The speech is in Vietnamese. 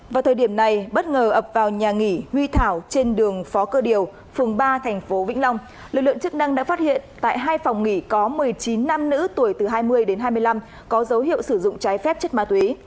vào thời điểm này bất ngờ ập vào nhà nghỉ huy thảo trên đường phó cơ điều phường ba thành phố vĩnh long lực lượng chức năng đã phát hiện tại hai phòng nghỉ có một mươi chín nam nữ tuổi từ hai mươi đến hai mươi năm có dấu hiệu sử dụng trái phép chất ma túy